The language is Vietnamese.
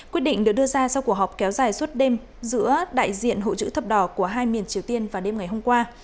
quyết định được đưa ra sau cuộc họp kéo dài suốt đêm giữa đại diện hội chữ thập đỏ của hai miền triều tiên vào đêm ngày hôm qua